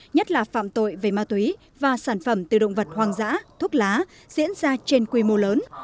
nhất là phạm tội về ma túy và sản phẩm từ động vật hoang dã thuốc lá diễn ra trên quy mô lớn